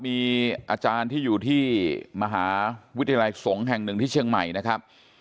มีอาจารย์ที่อยู่ที่มหาวิทยาลัยสงฆ์แห่งหนึ่งที่เชียงใหม่นะครับ